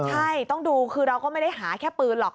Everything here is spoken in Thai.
ใช่ต้องดูคือเราก็ไม่ได้หาแค่ปืนหรอก